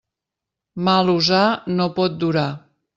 Mal usar no pot durar.